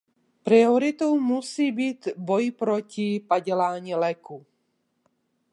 Prioritou musí být boj proti padělání léků.